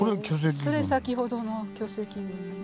それ先ほどの巨石群で。